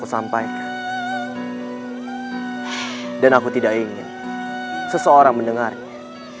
sampai jumpa lagi